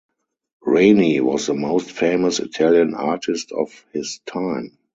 Reni was the most famous Italian artist of his time.